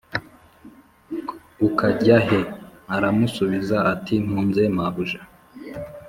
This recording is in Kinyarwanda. ukajya he aramusubiza ati mpunze mabuja